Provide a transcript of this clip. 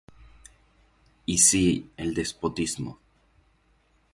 y si el despotismo